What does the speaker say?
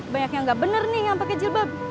banyak yang nggak bener nih yang pakai jilbab